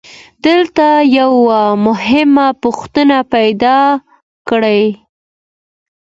دلته یوه مهمه پوښتنه پیدا کېږي